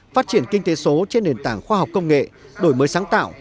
phát triển kinh tế số trên nền tảng khoa học công nghệ đổi mới sáng tạo